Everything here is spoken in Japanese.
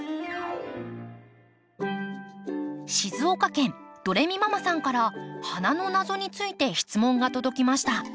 静岡県ドレミママさんから花の謎について質問が届きました。